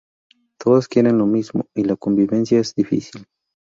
Todas quieren lo mismo, y la convivencia es difícil.